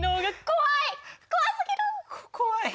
怖い。